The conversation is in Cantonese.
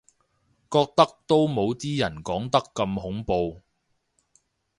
覺得都冇啲人講得咁恐怖